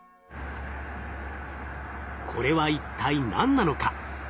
これは一体何なのか？